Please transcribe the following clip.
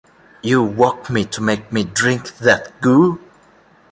You woke me to make me drink that goo.